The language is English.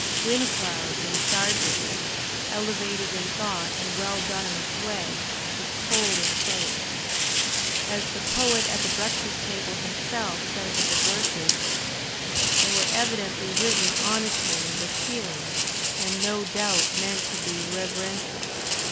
"Wind Clouds and Star Drifts," elevated in thought and well done in its way, is cold as prose. As the Poet at the Breakfast Table himself says of the verses: "They were evidently written honestly, and with feeling, and no doubt meant to be reverential."